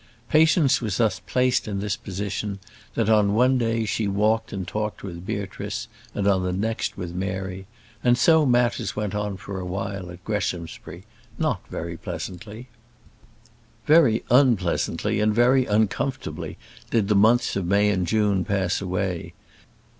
Patience was thus placed in this position, that on one day she walked and talked with Beatrice, and on the next with Mary; and so matters went on for a while at Greshamsbury not very pleasantly. Very unpleasantly and very uncomfortably did the months of May and June pass away.